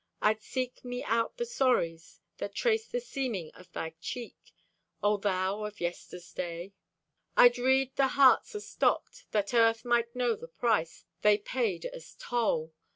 I'd seek me out the sorries That traced the seaming of thy cheek, O thou of yester's day! I'd read the hearts astopped, That Earth might know the price They paid as toll.